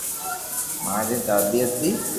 ماري دادو ھتي